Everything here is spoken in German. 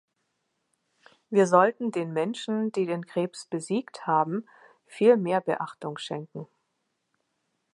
Wir sollten den Menschen, die den Krebs besiegt haben, viel mehr Beachtung schenken.